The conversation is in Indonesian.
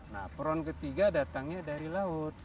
nah peron ketiga datangnya dari laut